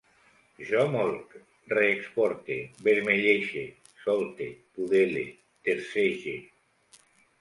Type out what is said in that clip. Jo molc, reexporte, vermellege, solte, pudele, tercege